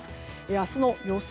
明日の予想